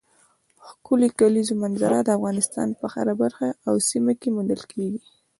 ښکلې کلیزو منظره د افغانستان په هره برخه او سیمه کې موندل کېږي.